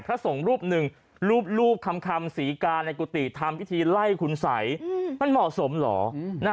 พระสงฆ์รูปหนึ่งรูปคำศรีกาในกุฏิทำพิธีไล่คุณสัยมันเหมาะสมเหรอ